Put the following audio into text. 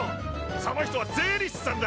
その人は税理士さんだ。